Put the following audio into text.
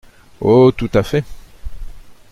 Oh ! tout à fait !